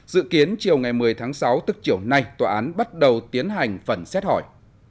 dự kiến chiều ngày một mươi tháng sáu tức chiều nay tòa án bắt đầu tiến hành phần xét hỏi